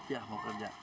ya mau kerja